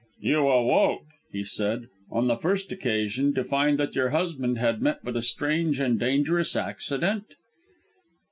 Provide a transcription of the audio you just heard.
"You awoke," he said, "on the first occasion, to find that your husband had met with a strange and dangerous accident?"